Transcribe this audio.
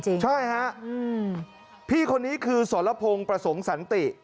ใช่ฮะพี่คนนี้คือสรพงศ์ประสงค์สันติ